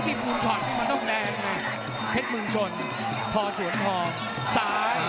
ตีเทศมนต์แล้วแบงกว่า